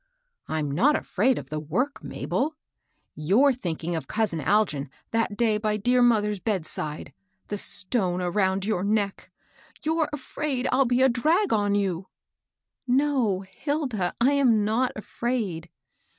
" I'm not afraid of the work, Mabel. You're tliinking of cousin Algin that day by dear moth HILDA AND HER MTSTERT. 59 er's bedside, — iJie stone around your neck ! You're afraid I'll be a drag on you." " No, Hilda ; I am not afraid."